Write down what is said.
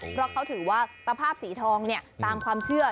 เพราะเขาถือว่าตะภาพสีทองเนี่ยตามความเชื่อ